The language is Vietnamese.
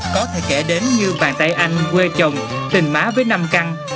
có thể kể đến như vàng tài anh quê chồng tình má với năm căng